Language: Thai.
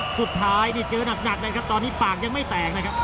สุดท้ายนี่เจอหนักนะครับตอนนี้ปากยังไม่แตกนะครับ